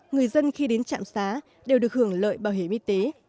người dân khi đến trạm xá đều được hưởng lợi bảo hiểm y tế